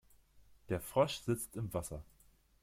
Der Frosch sitzt im Wasser.